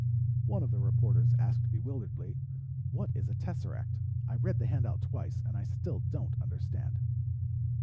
One of the reporters asked bewilderedly, "What is a tesseract? I read the handout twice and I still don't understand."